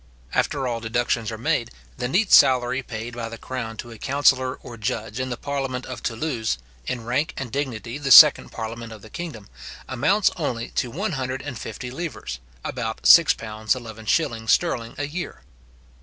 After all deductions are made, the neat salary paid by the crown to a counsellor or judge in the parliament of Thoulouse, in rank and dignity the second parliament of the kingdom, amounts only to 150 livres, about £6:11s. sterling a year.